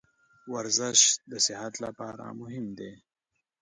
ورزش د صحت لپاره مهم دی.